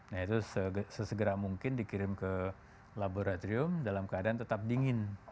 nah itu sesegera mungkin dikirim ke laboratorium dalam keadaan tetap dingin